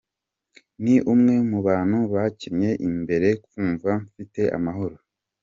Ni umwe mu bantu bakinnye imbere nkumva mfite amahoro.